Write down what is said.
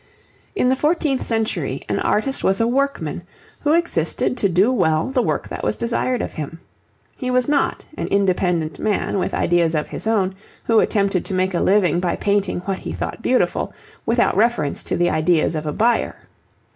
In the fourteenth century an artist was a workman who existed to do well the work that was desired of him. He was not an independent man with ideas of his own, who attempted to make a living by painting what he thought beautiful, without reference to the ideas of a buyer.